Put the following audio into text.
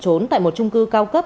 và lần trốn tại một trung cư cao cấp